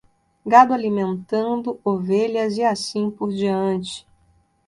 Gado alimentando ovelhas e assim por diante